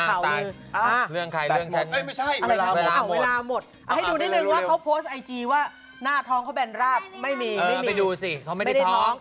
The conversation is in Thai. เอาไว้ดูนิดนึงว่าเขาโพสไอจีว่าหน้าท้องเขาแบนราบไม่มี